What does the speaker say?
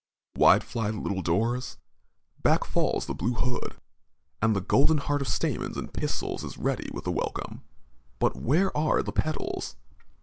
Wide fly the little doors, back falls the blue hood, and the golden heart of stamens and pistils is ready with a welcome. But where are the petals?